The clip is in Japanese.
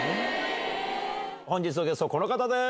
本日のゲスト、この方です。